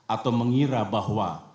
atau mengira bahwa